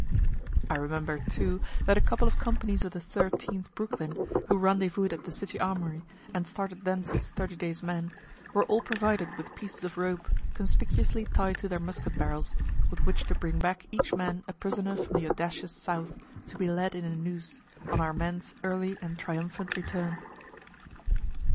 I remember, too, that a couple of companies of the Thirteenth Brooklyn, who rendezvou'd at the city armory, and started thence as thirty days' men, were all provided with pieces of rope, conspicuously tied to their musket barrels, with which to bring back each man a prisoner from the audacious South, to be led in a noose, on our men's early and triumphant return!